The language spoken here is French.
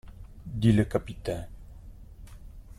Dit le capitaine.